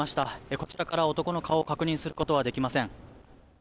こちらから男の顔を確認することはできません。